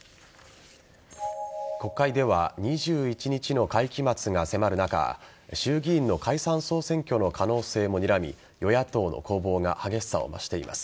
国会では２１日の会期末が迫る中衆議院の解散総選挙の可能性もにらみ与野党の攻防が激しさを増しています。